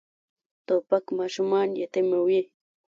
توپک ماشومان یتیموي.